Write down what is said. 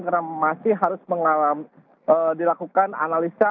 karena masih harus dilakukan analisa